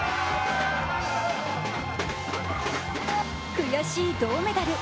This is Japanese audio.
悔しい銅メダル。